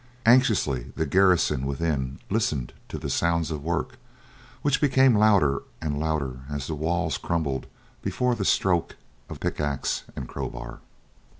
Anxiously the garrison within listened to the sounds of work, which became louder and louder as the walls crumbled before the stroke of pickaxe and crowbar.